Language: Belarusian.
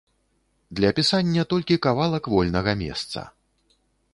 Для пісання толькі кавалак вольнага месца.